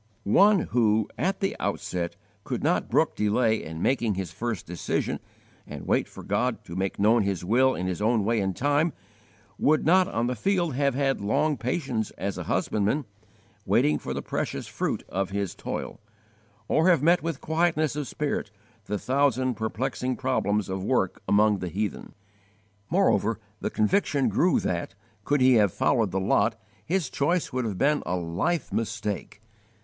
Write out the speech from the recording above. One who, at the outset, could not brook delay in making his first decision, and wait for God to make known His will in His own way and time, would not on the field have had long patience as a husbandman, waiting for the precious fruit of his toil, or have met with quietness of spirit the thousand perplexing problems of work among the heathen! Moreover the conviction grew that, could he have followed the lot, his choice would have been a life mistake.